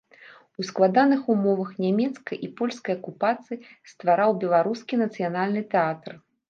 У складаных умовах нямецкай і польскай акупацыі ствараў беларускі нацыянальны тэатр.